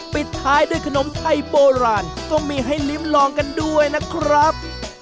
ปิดท้ายด้วยขนมไทยโบราณก็มีให้ลิ้มลองกันด้วยนะครับ